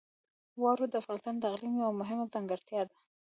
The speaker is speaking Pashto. واوره د افغانستان د اقلیم یوه مهمه ځانګړتیا ده.